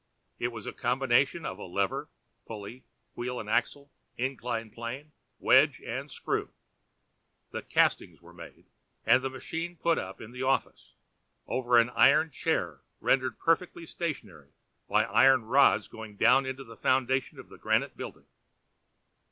It was a combination of the lever, pulley, wheel and axle, inclined plane, wedge and screw. The castings were made, and the machine put up in the office, over an iron chair rendered perfectly stationary by iron rods going down into the foundations of the granite building.